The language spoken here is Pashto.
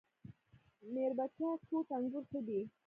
میربچه کوټ انګور ښه دي؟